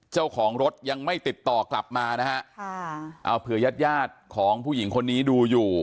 เจ้าของรถยังไม่ติดต่อกลับมานะฮะค่ะเอาเผื่อญาติญาติของผู้หญิงคนนี้ดูอยู่